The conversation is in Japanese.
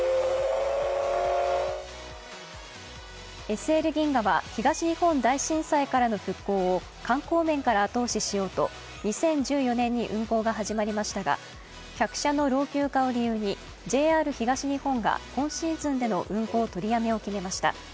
ＳＬ銀河は東日本大震災からの復興を観光面から後押ししようと２０１４年に運行が始まりましたが客車の老朽化を理由にＪＲ東日本が今シーズンでの運行取りやめを決めました。